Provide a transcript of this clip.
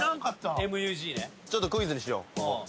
ちょっとクイズにしよう。